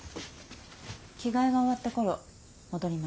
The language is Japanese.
着替えが終わった頃戻ります。